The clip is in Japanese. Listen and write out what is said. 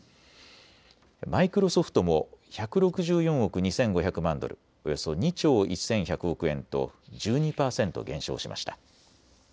マイクロソフトも１６４億２５００万ドル、およそ２兆１１００億円と１２％減少しました。